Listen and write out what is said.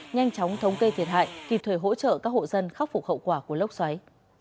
nhanh chóng thống kê thiệt hại kịp thời hỗ trợ các hộ dân khắc phục hậu quả của lốc xoáy